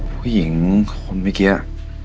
ผู้หญิงคนเมื่อกี้